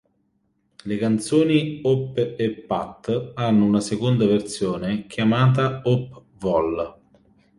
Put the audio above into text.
Le canzoni Hope e Path hanno una seconda versione chiamata Hope vol.